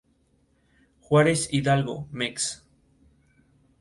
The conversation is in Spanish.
Juárez Hidalgo Mex.